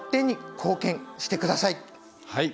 はい。